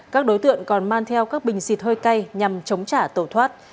các đối tượng còn mang theo các bình xịt hơi cay nhằm chống trả tổ thoát